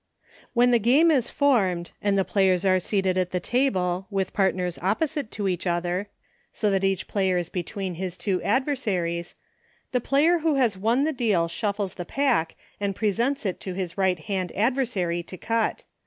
(35) 86 EUCHRE. When the game is formed, and the players seated at the table, partners opposite to each other, so that each player is between his two adversaries, the player who has won the deal shuffles the pack and presents it to his right hand adversary to cut.